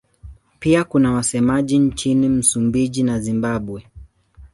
Pia kuna wasemaji nchini Msumbiji na Zimbabwe.